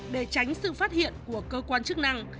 để tránh sự phát hiện của cơ quan chức năng